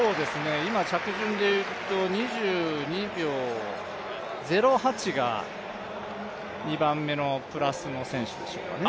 今、着順でいうと２２秒０８が２番目のプラスの選手でしょうかね。